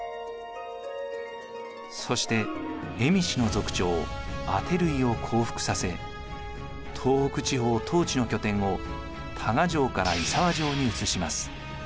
そして蝦夷の族長阿流為を降伏させ東北地方統治の拠点を多賀城から胆沢城に移します。